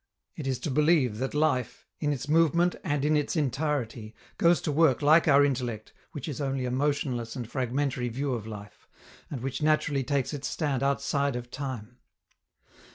It is to believe that life, in its movement and in its entirety, goes to work like our intellect, which is only a motionless and fragmentary view of life, and which naturally takes its stand outside of time.